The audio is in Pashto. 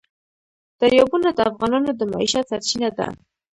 دریابونه د افغانانو د معیشت سرچینه ده.